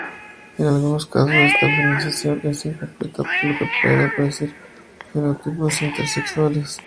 En algunos casos esta feminización es incompleta por lo que pueden aparecer fenotipos intersexuales.